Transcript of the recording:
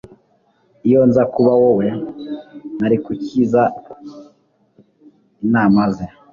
Iyo nza kuba wowe, nakurikiza inama ze